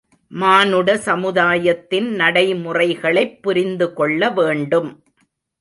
மானுட சமுதாயத்தின் நடைமுறைகளைப் புரிந்து கொள்ள வேண்டும்.